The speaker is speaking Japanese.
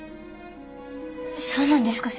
そうなんですか？